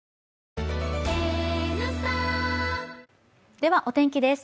ではお天気です。